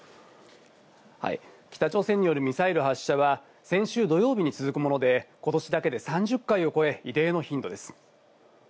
北朝鮮によるミサイル発射は、先週土曜日に続くもので、ことしだけで３０回を超え、異例の頻度です。